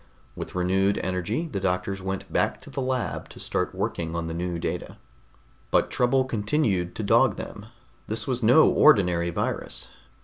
With renewed energy the doctors went back to the lab to start working on the new data. But trouble continued to dog them. This was no ordinary virus.